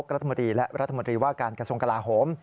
รัฐมนตรีและรัฐมนตรีว่าการกระทรวงกลาโหม